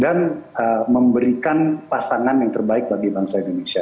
dan memberikan pasangan yang terbaik bagi bangsa indonesia